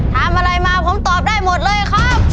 ทำอะไรมาผมตอบได้หมดเลยครับ